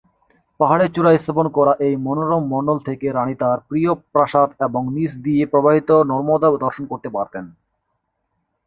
পাহাড়ের চূড়ায় স্থাপন করা এই মনোরম মণ্ডল থেকে রানী তার প্রিয় প্রাসাদ এবং নীচ দিয়ে প্রবাহিত নর্মদা দর্শন করতে পারতেন।